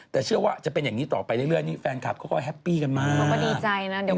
แต่เชื่อว่าจะเป็นอย่างนี้ต่อไปเรื่อยนี่แฟนคาร์ปก็ค่อยแฮปปี้กันมาก